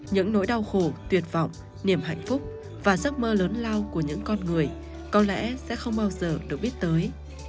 những nỗi đau khổ tuyệt vọng niềm hạnh phúc và giấc mơ lớn lao của những con người có lẽ sẽ không bao giờ được biết tới